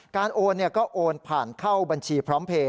โอนก็โอนผ่านเข้าบัญชีพร้อมเพลย